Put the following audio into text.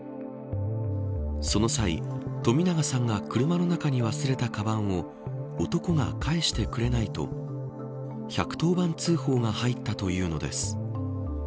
その際、冨永さんが車の中に忘れたかばんを男が返してくれないと１１０番通報が入ったというのです。